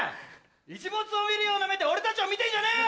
イチモツを見るような目で俺たちを見てんじゃねえよ！